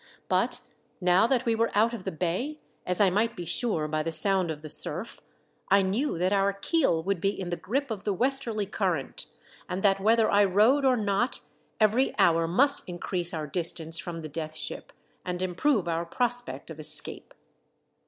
But now that we were out of the bay, as I might be sure by the sound of the surf, I knew that our keel would be in the grip of the westerly current, and that whether I rowed or not every hour must increase our distance from the Death Ship, and improve our prospect of escape.